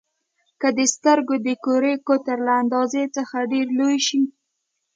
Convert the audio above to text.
که د سترګو د کرې قطر له اندازې څخه ډېر لوی شي.